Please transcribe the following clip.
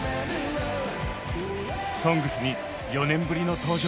「ＳＯＮＧＳ」に４年ぶりの登場。